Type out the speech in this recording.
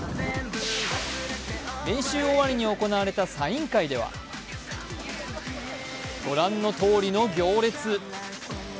練習終わりに行われたサイン会ではご覧のとおりの行列。